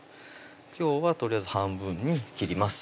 今日はとりあえず半分に切ります